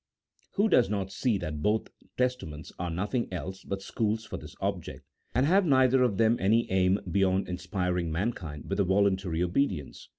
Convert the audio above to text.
Who does not see that both Testaments are nothing else but schools for this object, and have neither of them any aim beyond inspiring man kind with a voluntary obedience?